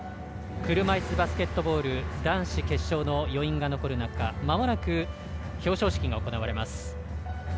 車いすバスケットボール男子決勝の余韻が残る中まもなく表彰式が行われます。